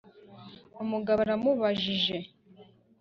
umugabo aramubajije